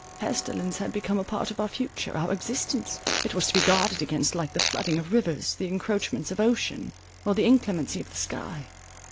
Pestilence had become a part of our future, our existence; it was to be guarded against, like the flooding of rivers, the encroachments of ocean, or the inclemency of the sky.